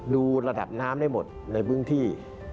ดูระดับน้ำได้หมดในพื้นที่